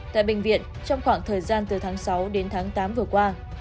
tại bệnh viện trong khoảng thời gian từ tháng sáu đến tháng tám vừa qua